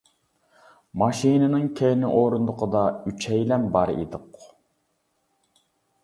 ماشىنىنىڭ كەينى ئورۇندۇقىدا ئۈچەيلەن بار ئىدۇق.